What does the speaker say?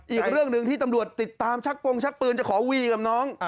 อีกเรื่องหนึ่งที่ตำรวจติดตามชักโปรงชักปืนจะขอวีกับน้อง